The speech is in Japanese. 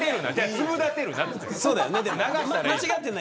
粒立てるな。